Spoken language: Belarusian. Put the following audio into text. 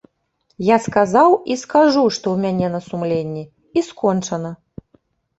Я сказаў і скажу, што ў мяне на сумленні, і скончана.